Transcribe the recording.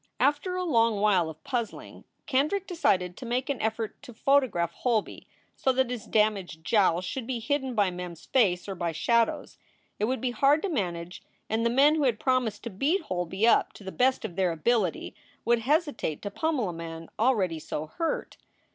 After a long while of puzzling Kendrick decided to make an effort to photograph Holby so that his damaged jowl should be hidden by Mem s face or by shadows. It would be hard to manage and the men who had promised to beat Holby up to the best of their ability would hesitate to pummel a man already so hurt.